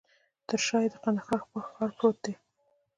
تر شاه یې د کندهار ښار پروت دی.